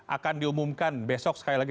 akan diumumkan besok sekali lagi